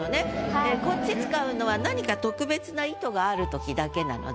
でこっち使うのは何か特別な意図がある時だけなので。